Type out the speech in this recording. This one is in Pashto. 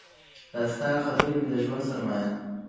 دا ستا خبري مي د ژوند سرمايه